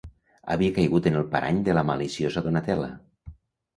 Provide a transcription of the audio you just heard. Havia caigut en el parany de la maliciosa Donatella...